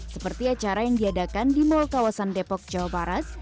seperti acara yang diadakan di mall kawasan depok jawa barat